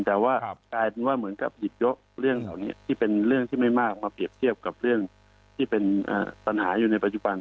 แต่ว่ากลายเป็นว่าเหมือนกับหยิบยกเรื่องเหล่านี้ที่เป็นเรื่องที่ไม่มากมาเปรียบเทียบกับเรื่องที่เป็นปัญหาอยู่ในปัจจุบัน